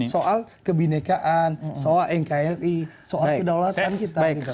soal kebinekaan soal nkri soal kedaulatan kita